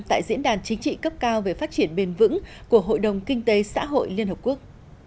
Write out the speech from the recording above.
tại diễn đàn chính trị cấp cao về phát triển bền vững của hội đồng kinh tế xã hội liên hợp quốc